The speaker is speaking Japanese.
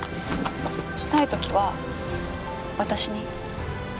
したい時は私に。